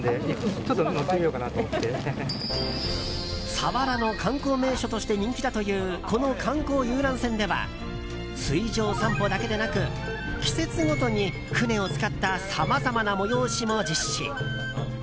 佐原の観光名所として人気だというこの観光遊覧船では水上散歩だけでなく季節ごとに、舟を使ったさまざまな催しも実施。